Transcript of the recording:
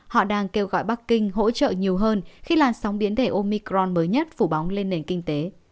họ đang kêu gọi bắc kinh hỗ trợ nhiều hơn khi làn sóng biến thể omicron mới nhất phủ bóng lên nền kinh tế